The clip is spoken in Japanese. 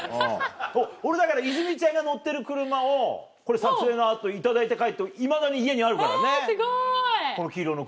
俺だから泉ちゃんが乗ってる車をこれ撮影の後頂いて帰っていまだに家にあるからねこの黄色の車。